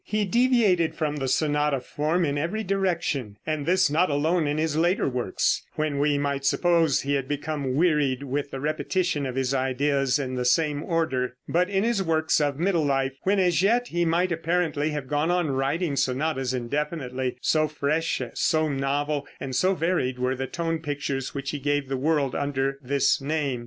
He deviated from the sonata form in every direction, and this not alone in his later works, when we might suppose he had become wearied with the repetition of his ideas in the same order, but in his works of middle life, when as yet he might apparently have gone on writing sonatas indefinitely, so fresh, so novel and so varied were the tone pictures which he gave the world under this name.